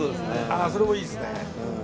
ああそれもいいですね。